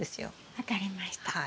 分かりました。